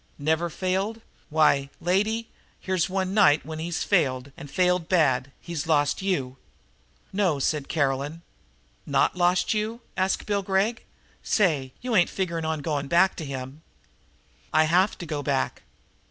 Never failed? Why, lady, here's one night when he's failed and failed bad. He's lost you!" "No," said Caroline. "Not lost you?" asked Bill Gregg. "Say, you ain't figuring on going back to him?" "I have to go back."